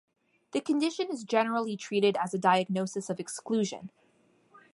The condition is generally treated as a diagnosis of exclusion.